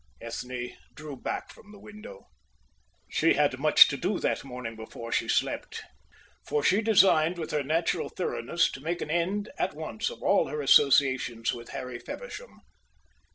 Ethne drew back from the window. She had much to do that morning before she slept. For she designed with her natural thoroughness to make an end at once of all her associations with Harry Feversham.